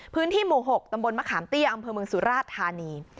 พื้นที่หมู่๖ตำบลมะขามเตี้ยอำเภอเมืองสุราชธานี